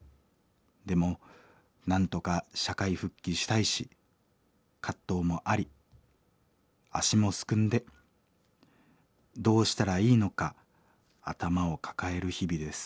でもなんとか社会復帰したいし葛藤もあり足もすくんでどうしたらいいのか頭を抱える日々です」。